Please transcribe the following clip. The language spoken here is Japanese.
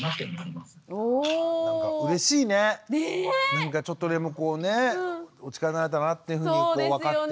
なんかちょっとでもこうねお力になれたなっていうふうに分かって。